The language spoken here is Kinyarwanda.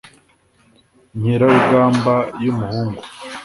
nkerarugamba y’ umuhungu